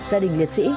gia đình liệt sĩ